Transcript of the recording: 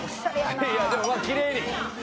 いやでもきれいに。